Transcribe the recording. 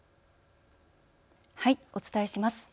お伝えします。